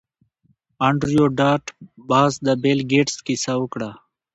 انډریو ډاټ باس د بیل ګیټس کیسه وکړه